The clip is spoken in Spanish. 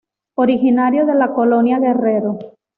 Originario de la Colonia Guerrero.